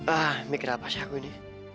ah mikir apa sih aku ini